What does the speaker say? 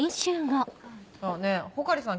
ねぇ穂刈さん